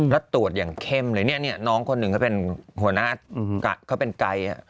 แล้วตรวจอย่างเข้มเลยเนี่ยน้องคนหนึ่งเขาเป็นหัวหน้าเขาเป็นไกร